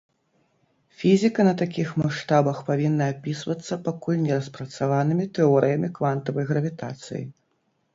Фізіка на такіх маштабах павінна апісвацца пакуль не распрацаванымі тэорыямі квантавай гравітацыі.